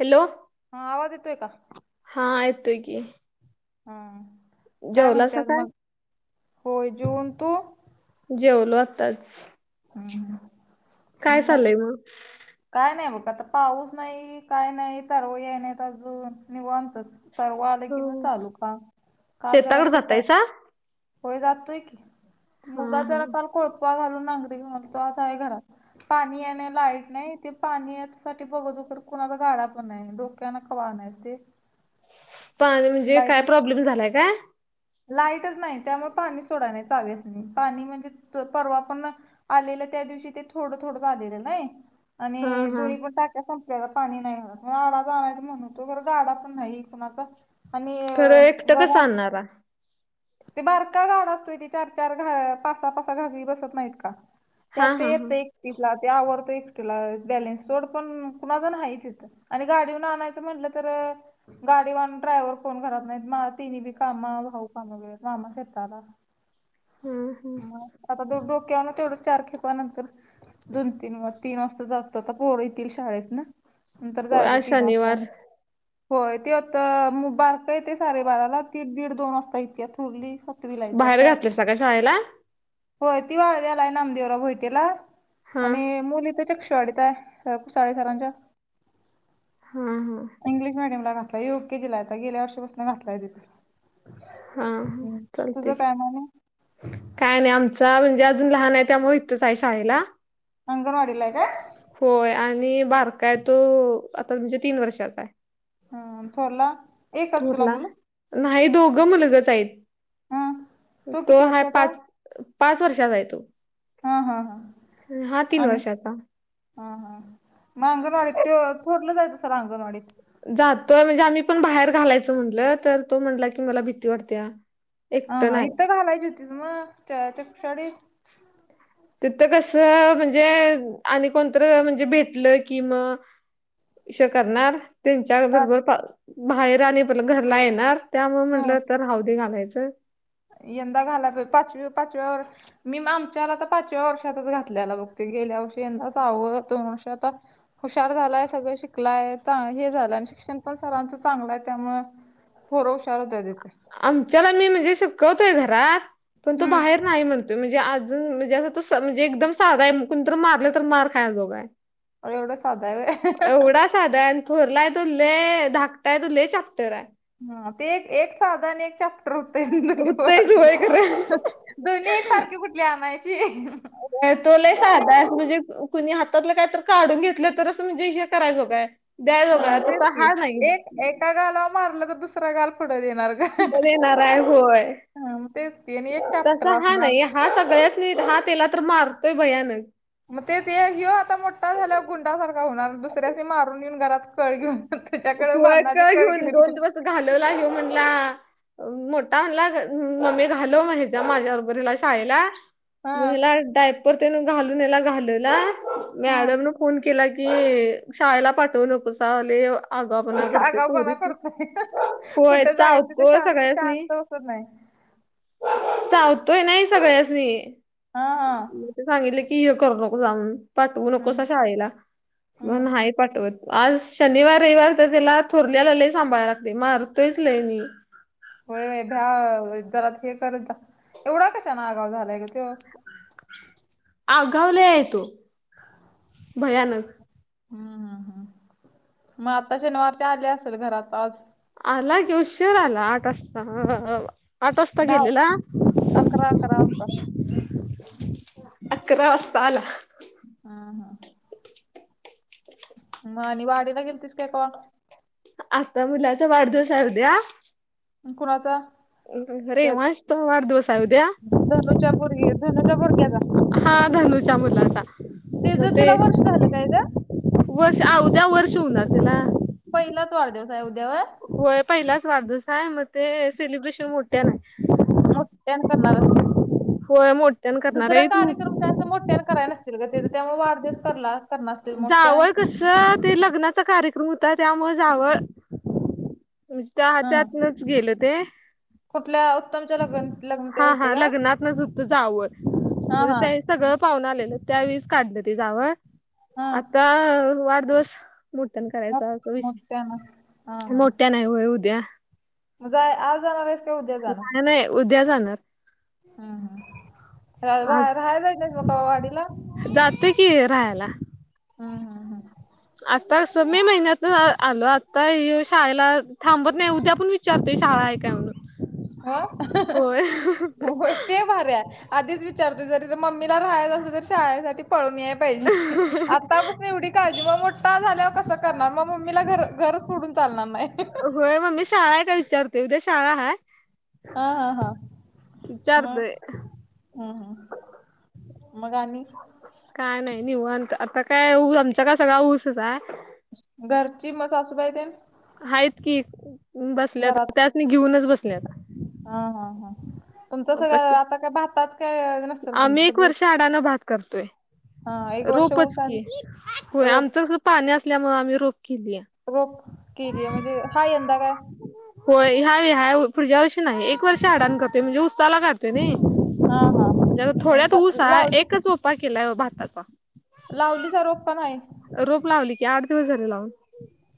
Hello,. हा, आवाज येतोय का? ह ऐतोय की. हम, काय जेवलासा म्हणतेस काय मग होय जेऊन तू? जेवलो आताच. हम्, हम. काय चाललंय मग? काय नाही बघ आता पाऊस नाही काय नाही तर या नाही तर अजून निवतच. तरव आलं हो कि म चालू का काल जर शेताकडे असे जातायसा होय जातोय की. हा मुगा हा जरा काल कोळपा घालून नांगरिक म्हणतो असा आहे घरात. पाणी आहे ना लाईट नाही. ते पाणी या साठी बघतो तर कुणाला गाडा पण डोक्याना कवाण ते पा म्हणजे लाईट काय प्रॉब्लेम झालाय का. लाईटच नाही त्यामुळे पाणी सोडाय नाही चावीस नाही पाणी म्हणजे परवा पण आलेलं त्या दिवशी ते थोडं थोडं झालेलं नाही हा आणि हा दोन्ही पण टा त्या संपल्याला पाणी नाही आडा जावायच म्हणून तो बर गाडा पण नाही कणाचा आणि घरात. हो. ते मार का घाण असतोय ती चार चार घ पासा पासा घगरी बसत नाहीत का. हा त्यात हा हा येत एकटीला ते आवरडत एकटीला बॅलेन्स तोड पण कुणाचा नाहीच यथं. आणि गाडीहन आणायचं म्हटलं तर गाडी वानून ड्रायव्हर कोण करत नाही म ति बी कामा भाऊ. नाम खेताला हम्म हम्म आता दु डोक्या ना तेव चार खे नंतर दोन तीन तीन वाजता जातोता पोर येतील शाळेेत ना नंतर होय जायचं आज तीन शनिवार वाजताना होय ते आता बारका येते साडे बाराला तीड दीड दोन असत. सतीथुडली सतवी लायतात. बाहेर घातलायसा का शाळेला हो ती वाळव आलाय नामदेवरा भैटेला हा हा आणि मुली त्याच्या ढताय चाळीसरांच्या हा इंग्लिश मीडियम ला का योग के जीलायता गेल्या वर्षापासून घातलायिथं. हा हा चालते. तुझं काय मग आणि काय नाही आमच म्हणजे अजून लहान आहे त्यामुळे इतच आहे शाळेला. अंगणवाडीलाय का. होय आणि बारकाय तो आता म्हणजे तीन वर्षाचा आहे. हम थोला. थोरला नाही दोघं मुलगच आहेत हा किती तो हा वर्षाचा आहे पाच पाच वर्षाचाय तो हा हा हा. हा तीन आणि वर्षाचा. हा हा मग अंगणवाडीत ते थोडलं जायचं सर अंगणवाडीत. जातोय म्हणजे आम्ही पण बाहेर घालायचं म्हटलं तर तो म्हणला की मला भीती वाटते. हा हा इथं घालायची होतीस मग च च शाडी तिथ कसं म्हणजे आणि कोणतं म्हणजे भेटलं कि म इशो करणार. त्यांच्या का बरोबर बाहेर आणि प घरला येणार त्यामु हा म्हटलं तर हवदी घालायचं. यंदा गाला प पाचवी पाचवी्या वर मी आमच्याला तर पाचव्या वर्षातच घातल्याला बघते गेल्या वर्षी यंदाचवं दोन वर्ष आता. हुशार झालाय सगळं शिकलाय हे झालंय शिक्षण पण सरांचं चांगलं आहे त्यामु होोर हशारला द देते. आमच्याला मी म्हणजे शिककवतोय घरात पण तो बाहेर. हम्म नाही म्हणतोय म्हणजे अजून म्हणजे अस तो म्हणजे एकदम साधा कुणीत मारले तर मार खाय जोगाय एवढं साध आहे. साध थरलाय तो लले धाकटा आहे तले चाकटरय हा ते एक एक साधा आणि एक चॅप्टर होतंय जिंदगीप होतयच होय खरं. दोन्ही सारखे कुठली आणायची. तो लय साधा आहे असं म्हणजे कुणी हातातला काय तर काढून घेतलं तरच म्हणजे हे करायचो काय. हा द्यायजोगा तस तेच की हा नाही. एक एका गालावर मारलं तर दुसरा गाल पुढ देणार. ग बर येणारय होय हा मग तेच की आणि एक तस चॅप्टर हा असणार. नाही. हा सगळ्याच नाही हा तेला तर मारतोय भयानक. मग ते घेऊ आता मोठा झाल्या गुंडासारखा होणार दुसऱ्याशी मारून येऊन घरात कळ घेऊन तुझ्याकडे होय भांनाची का कळ घेऊन घेली. दोन दिवस घालवला आहे म्हणला. मोठा म्हला मम्मी घालो माज माझ्या अरोबरीला शाळेला हा मग हला डायपर घालूनला घालला हा. मॅडम न फोन केला. ती शाळेला पाठवू नको चाले. आपण करते आगाऊपणा कोरीस करतोय. होय कुठे चाहत जायचं तिथे को शांत सगळ्याच शांत नाही. बसत नाही. चावतोय नाही सगळ्याचनी हा हा. म सांगितले. की करू नको जाऊन पाठवू नको अस हम्म शाळेला हम्म. मण ह. पाठवत आज शनिवार रविवार तर त्याला थोरल्याला लय सांभाळायला लागते मारतोयच लय मी होय भ्या जरात हे कर एवढा कशा ना आगाव झालाय का त. अगावला आहे तो भयानक. हम्म हम् हम् मग आता शनिवारच्या आले असेल घरात आज आला के उशीर आला आठ वाजता आठ वाजता दहा गेलेला. अकरा अकरा असतात. अकरा वाजता आला. हा हा. ह आणि वाडीला गेलतीस काय का? आता मुलाचा वाढदिवस आहे उद्या कुणाचा? अरे वंश तो वाढ दिवस आ त्या्या धनुूच्या भग धनुूच्या भुरग्याचा हा धनुच्या मुलाचा तिचं ते तिला वर्ष झालं काय ग वर्ष अवद्या वर्ष होणार त्याला पहिला त वार्दवसा आहे उद्याव होय पहिलाच वाढदिव आहे मग ते सेलिब्रेशन मोठ्या नाही. मोठ्या करणार असते होय मोठ्यान करणार दुसरा आहे तू कार्यक्रम काय अस मोठ्यान करायला न असते. ते त्यामुळे वाढदस करला. करणार असतील मोठ्यानं जावळ कस ते लग्नाचा कार्यक्रम होता त्यामुळे जावळ म्हणजे त्या हा हततनच गेलं ते कुठल्या उत्तम. हा हा लग्नातच होत जावं हा म्हणजे हा ते सगळं. पाहून आलेल त्यावेस काढलं ते जाव हा आता वाढदिवस मोठ्या मोठ करायचा अस मोठ्यानं विषय मोठ्या नाही होय उद्या ज आज जाणार आहेस किी उद्या जाणार. नाही नाही उद्या जाणार. हम् राहायलाय नाही ब का वाडीला जातंय की राहायला. हम् हम हम. आता स मे महिन्यात आलो. आता शाळेला थांबत नाही उद्या आपण विचारतोय शाळा आहे काय म्हणून हो हं हं ह. होय हो ते भारी हाय आधीच विचारते जरी मम्मीला राहायला सुद्धा शाळेसाठी पळून येयला पाहिजे. आता पण एवढी काळजी मग मोठा झाल्यावर कस करणार मग मम्मीला घर घरच पुडून चालणार नाही. होय मम्मी शाळा का विचारत्. ते उदया शाळा हाय. हा हा हा मग विचारतोय हम्म हम्म मग आणि? काय नाही निवांत आता काय ऊस आमचा का सगळा ऊसच आहे. घरची मग सासूबाई ते आहेत की बसल्या त्यासनी घेऊनच बसले आता हा हा हा तुमच सगळं आता काय भातात काय? नसेल आम्ही तुमचं एक सगळं वर्ष अडाणं भात करतोय. हां एक वर्ष ऊस रोपंच आणि की होय रोप आमचं कसं पाणी असल्यामुळे आम्ही रोप केली. रोप केली आहे म्हणजे हाय यंदा काय होय ह्या ह्या पुढच्या या वर्षी नाही एक वर्ष आडाण करते म्हणजे उसाला काढतो हां हां हां. जरा थोड्यात यंदा ऊस हाय लावली एकच उपाय केलाय भाताचा लावलीस रोप पण आहे. रोप लावली की आठ दिवस झालं लावून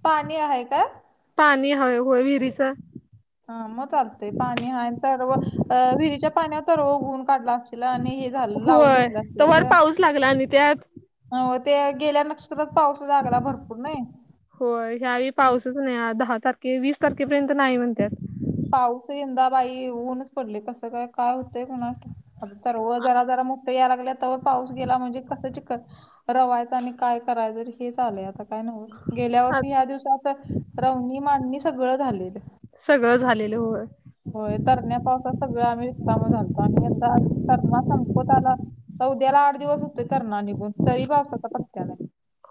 पाणी आहे का? पाणी आहेय होय विहिरीच हा मग चालतेय पाणी हा स विहिरीच्या पाण्यावर तर उघून काढला असं आणि हे झालं लावून होय घेतलं असशीला तवर ग पाऊस लागला आणि त्यात हो ते गेल्या नक्षत्रात पाऊस जागला भरपूर नाय हो ह्यावेळी पाऊसच नाही दहा तारखे वीस तारखेपर्यंत नाही म्हणताय. पाऊस यंदा बाई ऊनच पडले कसं काय काय होतंय का कुणास ठाऊक तर व जरा जरा या लागल्याता पाऊस गेला म्हणजे कसं चीखल रवायच आणि काय करायचं हे चाललंय आता काय न गेल्या आ वर्षी ह्या दिवसात रवणी मांडणी सगळं झालेल. सगळंच झालेलं हो होय तरण्या पावसात सगळं आम्ही रिकामा झालतो आणि यंदा अजून तरणा संपत आला. आता उद्याला आठ दिवस होतोय तरणा निघून तरी पावसाचा पत्ता नाही.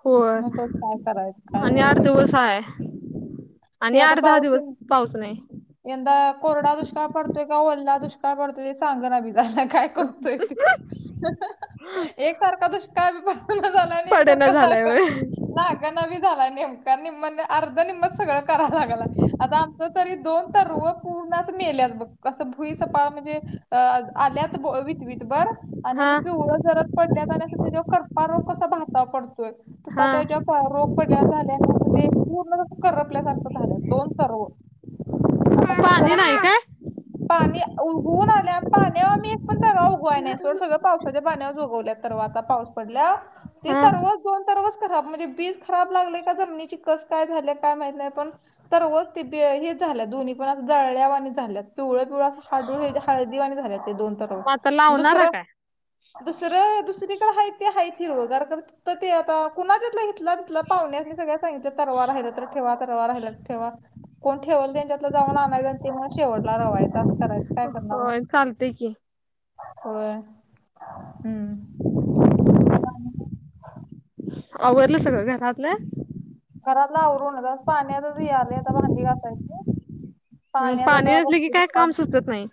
होय मग बघ काय करायचं काय आणि नव्हच आठ बाई दिवस आहे. ते आणि आता आठ दहा पाऊस दिवस येईल पाऊस नाही. यंदा कोरडा दुष्काळ पडतोय का ओलला दुष्काळ पडतोय ते सांग ना बी झालं काय करतोय ते एक सारखा दुष्काळ बी झाला आणि पडना एकसारखा झालाय होय लागना भी झाला नेमका निम्म अर्ध निम्म सगळं करायला लागला. आता आमचं तरी दोन तर न मेल्यास बघ असं भुई सपाळ पान अ म्हणजे आल्यात इथं बरं आणि हा पिवळ जर पडल्या आणि त्याच्यावर करपा रोग कसा भातावर पडतोय. तसं हा त्या ज्या रोग पडल्या झाल्या असं ते पूर्ण जसं करपल्यासारखं झालं दोन सर्व आता तर पाणी त्याला नाही काय पाणी उगलुन आल्यावर पाण्यावर मी एक पण थराव उगवाय नाही सोड सगळं पावसाच्या पाण्यावर उगवल्या सर्व आता पाऊस पडल्यावर ते हा तरवज दोन तरवज खराब म्हणजे बीज खराब लागलेय का जमनीची कस काय झाली काय माहित नाही पण तरवच हे झालं दोन्ही पण पण जळवाणी झाल्यात पिवळं पिवळ असं खाडूळ हे हळदीवाणी झाल्या ते दोन मग आता लावणारा दुसरं काय दुसरं दुसरी कड हाय ते हाय ते हिरवीगार कर तर ते आता कुणाच्या घेतले त तिथला पाहुस सगळ्या सांगिल तरवा राहिलं तर ठेवावा राहिला ठेवा कोण ठेवाल त्यांच्या जाऊन आणायचं तेव शेवटला रवायचं असं करायचं काय करणार होय चालतय की होय हम्म मग आणि काय? आवरलं सगळं घरातलं घरातल आवरून तसं पाणीच हे आले आता भांडी घासायची. पाण्याचा पाणी तर नसले की काय बघतो काम सुचत नाही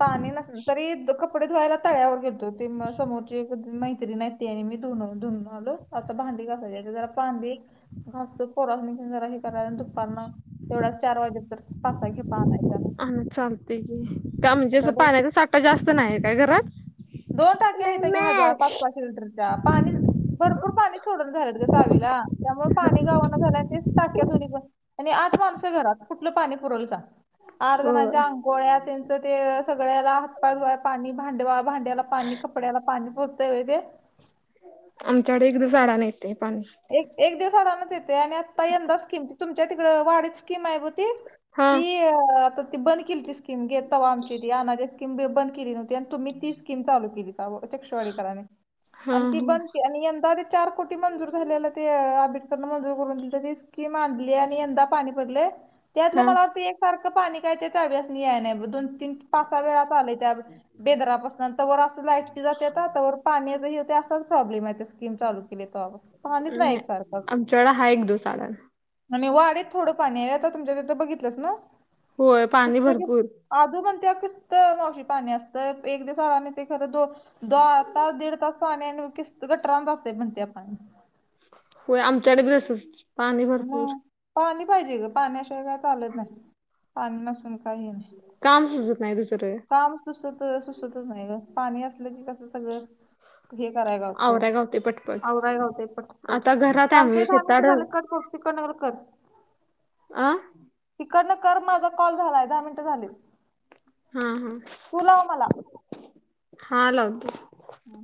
पाणी नस तरी कपडे धुवायला तळ्यावर घेतो ते समोरची मैत्री नाही त्याने मी धुन धुनून आलो आता भांडी कसायची जरा भांडी घस्त पोरस निघून जरा हे करायला दुपारन तेवढाच चार वाजे तर पासा घे पाहणार हा चालतेय की का म्हणजे असं आता पाण्याचा साठा जास्त नाही का घरात दोन टाके आहेत का हजार पाच पाच लिटरच्या पाणी भरपूर पाणी सोडून झालेत ग चावीला त्यामुळे पाणी गावाना झाल्या तेच टाक्या धुनी पण आणि आठ माणसं घरात कुठलं पाणी पुरल सांग आठ होय जणच्या आंघोळ्या त्यांच ते सगळ्याला हातपा घ पाणी भांडवा भांडे्यााला पाणी कपडे्याला पाणी पुरतय होय ते आमच्याकडे एकदा झाडा नाहीेत पाणी एक दिवसाअडच येते आणि आता यंदा स्कीम तुमच्या तिकड वाढत स्कीम आहे हा ती आता ती बंद केली ती स्कीम घेत आमची ती अ स्कीिम बंद केली तुम्ही ती स्कीम चालू केली चक्षवाडी कने हा आणि ती हा बंद के आणि यंदा चार कोटी मंजूर झालेला ते आंबेडकर मंजूर करून दि ते मांडली आणि यंदा पाणी पडलंय त्यातलं हा मला वाटत सारखं पाणी काय ते त्यावेळेस याय नाही दोन तीन पाच वेळा आलय त्या बेदरापासून अस लाईट जाते पाण्याचा होते असाच प्रॉब्लेम आहे ते स्ककीम चालू केली तेव्हापासून नाही आमच्याकडे आहे एक दिवसाआड मी वाडेत थोडं पाणी आहे आता तुमच्या तथं बघितलंस ना होय पाणी किसत भरपूर आजू म्हण ते किस्त मावशी पाणी असतं एक दिवसाआडने ते खरं दो दता दीड तास पाण्यानु सानन कस्त गटारं जातात म्हणत्यात होय आमच्याडे बी अससच ह पाणी पाहिजे ग पाण्याशिवाय काय चालत नाही पाणी नसून काही ये नाही काम सुजत नाही दुसरं काम सुसत सुसतच नाही ग पाणी असलं की कसं सगळं हे कराय गावतय आवराय पटपट आवराय गावतं पटपट आता घरात आहे चालतय मी दहा मिनटं शेताड अ झालं क कोती कडल का हा तिकडन कर माझा कॉल झालाय दहा मिनट झाले हा तू लाव मला हा लावते ह